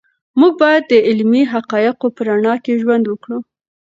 موږ باید د علمي حقایقو په رڼا کې ژوند وکړو.